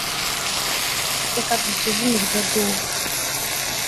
reka dusuzume iryo duka